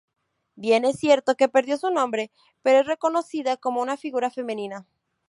Bien es cierto que perdió su nombre, pero es reconocida como una figura femenina.